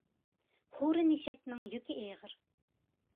ھۇرۇن ئېشەكنىڭ يۈكى ئېغىر.